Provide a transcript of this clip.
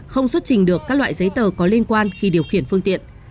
không xuất trình được các loại giấy tờ có liên quan khi điều khiển phương tiện